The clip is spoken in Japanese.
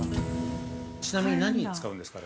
◆ちなみに何に使うんですかね。